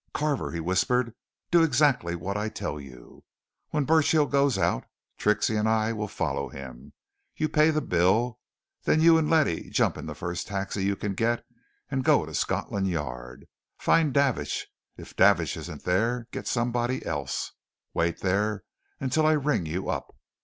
"Carver!" he whispered. "Do exactly what I tell you. When Burchill goes out, Trixie and I'll follow him. You pay the bill then you and Lettie jump into the first taxi you can get and go to Scotland Yard. Find Davidge! If Davidge isn't there, get somebody else. Wait there until I ring you up!